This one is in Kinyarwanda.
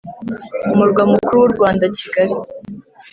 Umurwa Mukuru w u Rwanda Kigali